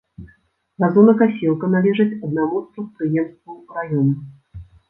Газонакасілка належыць аднаму з прадпрыемстваў раёна.